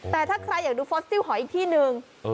แต่ถ้าใครอยากดูฟอสซิลหอยอีกที่หนึ่ง